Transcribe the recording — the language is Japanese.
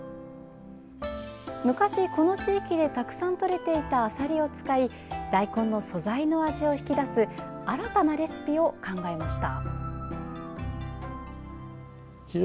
昔、この地域でたくさんとれていたあさりを使い大根の素材の味を引き出す新たなレシピを考えました。